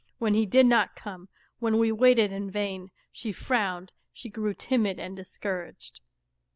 When he did not conie,^^en~w^^aiteTi"irrvain, she frowned, she grew timid and discouraged.